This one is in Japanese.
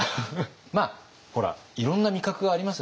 まあほらいろんな味覚がありますよね。